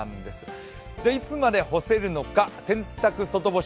いつまで干せるのか洗濯外干し